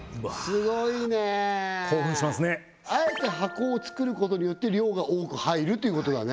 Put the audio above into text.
スゴいねあえて箱を作ることによって量が多く入るということだね